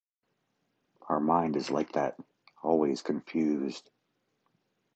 Our mind is like that, always confused.